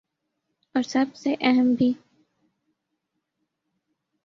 اور سب سے اہم بھی ۔